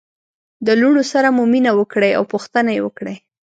د لوڼو سره مو مینه وکړئ او پوښتنه يې وکړئ